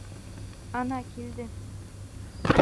Ана, килде!